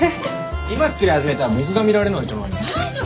今作り始めたら僕が見られないじゃないですか。